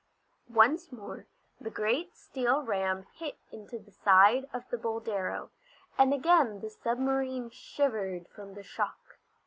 Once more the great steel ram hit into the side of the Boldero, and again the submarine shivered from the shock.